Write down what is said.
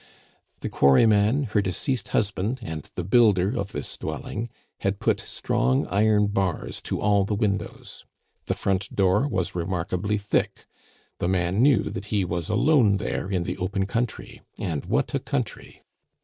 The quarryman, her deceased husband, and the builder of this dwelling, had put strong iron bars to all the windows; the front door was remarkably thick. The man knew that he was alone there in the open country and what a country!